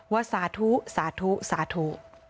สาธุสาธุสาธุ